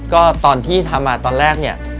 ก็ตอนที่ทำมาตอนแรกเนี่ย